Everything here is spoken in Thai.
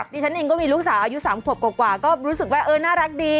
ดิฉันเองก็มีลูกสาวอายุ๓ขวบกว่าก็รู้สึกว่าเออน่ารักดี